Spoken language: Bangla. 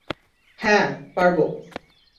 হ্যাঁ, পারবো।